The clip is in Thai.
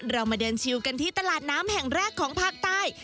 มาเดินชิวกันที่ตลาดน้ำแห่งแรกของภาคใต้